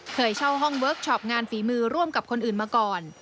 เคยเช่าห้องเวิร์คชอปงานฝีมือร่วมกับคนอื่นมาก่อน